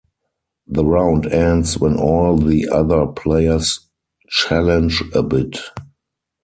The round ends when all the other players challenge a bid.